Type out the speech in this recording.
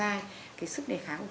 cái sức đề kháng của người cao tuổi